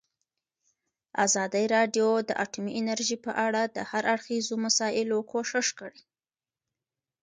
ازادي راډیو د اټومي انرژي په اړه د هر اړخیزو مسایلو پوښښ کړی.